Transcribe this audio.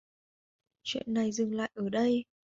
Chuyện này dừng lại ở đây